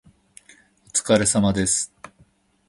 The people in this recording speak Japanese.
お疲れ様です